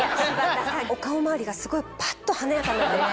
お顔周りがすごいパッと華やかになってますよ。